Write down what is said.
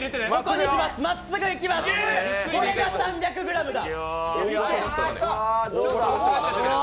これが３００ｇだ！